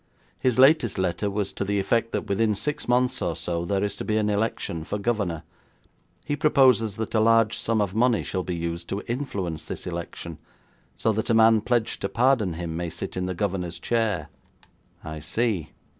His latest letter was to the effect that within six months or so there is to be an election for governor. He proposes that a large sum of money shall be used to influence this election so that a man pledged to pardon him may sit in the governor's chair.' 'I see.